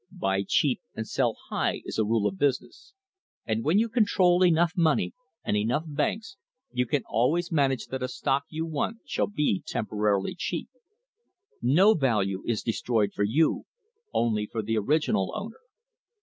Buy cheap and sell high is a rule of business, and when you control enough money and enough banks you can always manage that a stock you want shall be temporarily cheap. No value is destroyed for you only for the original owner.